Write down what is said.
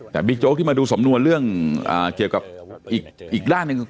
แต่บิ๊กโจ๊กที่มาดูสำนวนเรื่องเกี่ยวกับอีกด้านหนึ่ง